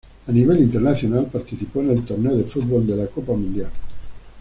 A nivel internacional participó en el torneo de fútbol de la Copa Mundial.